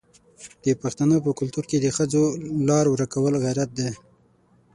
د پښتنو په کلتور کې د ښځو لار ورکول غیرت دی.